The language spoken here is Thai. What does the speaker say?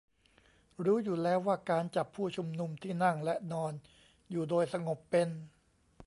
รู้อยู่แล้วว่าการจับผู้ชุมนุมที่นั่งและนอนอยู่โดยสงบเป็น